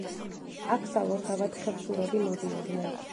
აქ სალოცავად ხევსურები მოდიოდნენ.